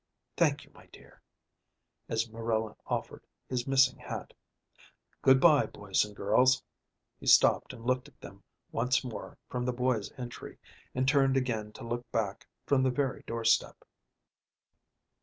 Thank you, my dear," as Marilla offered his missing hat. "Good by, boys and girls." He stopped and looked at them once more from the boys' entry, and turned again to look back from the very doorstep.